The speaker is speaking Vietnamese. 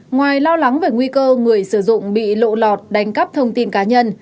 ngoài lo lắng về nguy cơ người sử dụng bị lộ lọt đánh cắp thông tin cá nhân